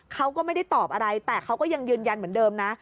เขาก็ไม่ได้ตอบอะไรแต่เขาก็ยังยืนยันเหมือนเดิมนะ